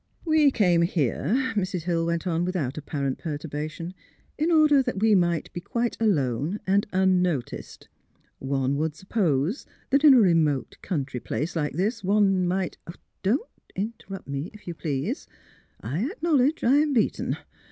" We came here,'* Mrs. Hill went on, without apparent perturbation, '' in order that we might be quite alone and unnoticed. One would suppose NOT AT HOME TO VISITOES 151 that in a remote country place, like this, one might Don't interr"uj)t me, if you please. I acknowledge that I am beaten.